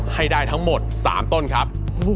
ให้ได้ทั้งหมด๓ต้นครับ